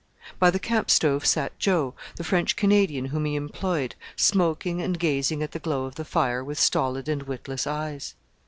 By the camp stove sat Joe, the French Canadian whom he employed, smoking and gazing at the glow of the fire with stolid and witless eyes.